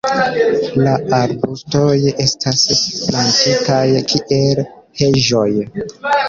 La arbustoj estas plantitaj kiel heĝoj.